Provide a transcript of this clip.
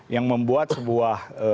yang membuat sebuah